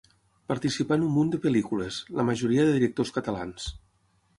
Participà en un munt de pel·lícules, la majoria de directors catalans.